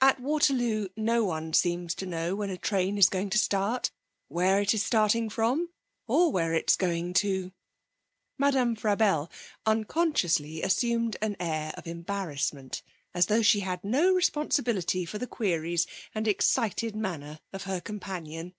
At Waterloo no one seems to know when a train is going to start, where it is starting from, or where it is going to. Madame Frabelle unconsciously assumed an air of embarrassment, as though she had no responsibility for the queries and excited manner of her companion.